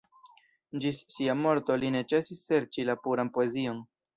Ĝis sia morto li ne ĉesis serĉi la puran poezion.